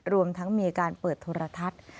รวมทั้งมีการเปิดโทรทัศน์